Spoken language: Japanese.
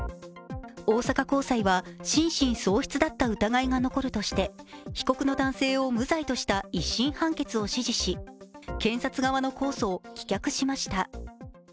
大阪高裁は心神喪失だった疑いが残るとして被告の男性を無罪とした１審判決を支持し、検察側の控訴を棄却しました。